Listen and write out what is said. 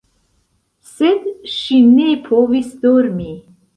Sed ŝi ne povis dormi.